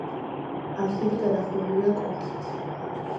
აბსიდი გადახურულია კონქით.